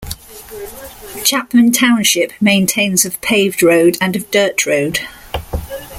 Chapman Township maintains of paved road and of dirt road.